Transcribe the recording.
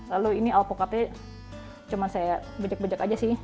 lalu ini alpukatnya cuma saya bejek bijak aja sih